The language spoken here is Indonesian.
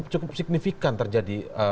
cukup signifikan terjadi